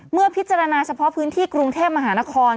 เมื่อพิจารณาเฉพาะพื้นที่กรุงเทพมหานคร